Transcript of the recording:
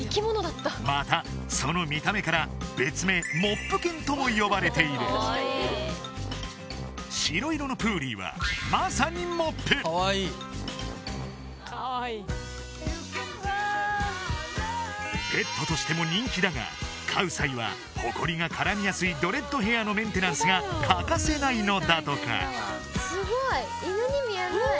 またその見た目から別名モップ犬とも呼ばれている白色のプーリーはペットとしても人気だが飼う際はホコリが絡みやすいドレッドヘアのメンテナンスが欠かせないのだとか